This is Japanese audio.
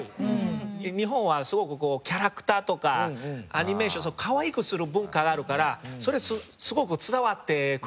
日本はすごくキャラクターとかアニメーションかわいくする文化があるからそれすごく伝わってくるんですよ。